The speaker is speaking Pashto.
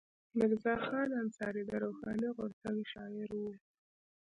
میرزا خان انصاري د روښاني غورځنګ شاعر و.